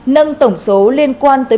nâng tổng số liên quan tới